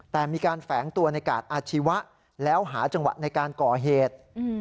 แต่มีการแฝงตัวในกาดอาชีวะแล้วหาจังหวะในการก่อเหตุ